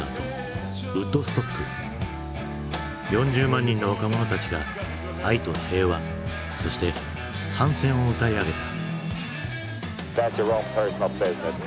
４０万人の若者たちが愛と平和そして反戦を歌い上げた。